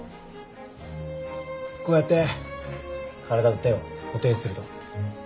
こうやって体と手を固定すると。